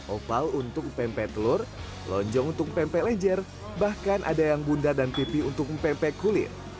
opal untuk mpe mpe telur lonjong untuk mpe mpe lejer bahkan ada yang bunda dan pipi untuk mpe mpe kulit